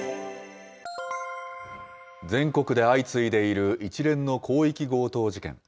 全国で相次いでいる一連の広域強盗事件。